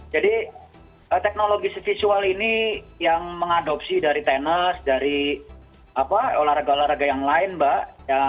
jadi teknologi visual ini yang mengadopsi dari tenis dari olahraga olahraga yang lain mbak